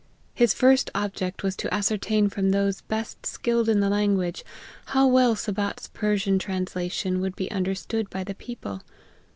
His first object was to ascertain from those best skilled in the language, how well Sabat's Persian translation would be un derstood by the people.